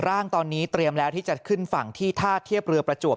ร่างตอนนี้เตรียมแล้วที่จะขึ้นฝั่งที่ท่าเทียบเรือประจวบ